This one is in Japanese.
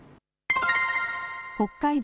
北海道